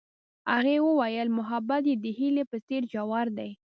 هغې وویل محبت یې د هیلې په څېر ژور دی.